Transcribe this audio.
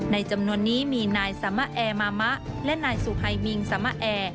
ในจำนวนนี้มีาสมแอ่มามะนายสุฮายบิงสมแอ่